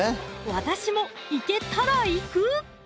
私も行けタラ行く！